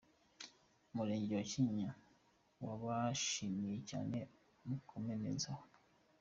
umurenge wa Kinyinya wabashimiye cyane, mukomereze aho.